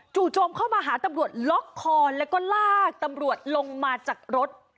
โจมเข้ามาหาตำรวจล็อกคอแล้วก็ลากตำรวจลงมาจากรถ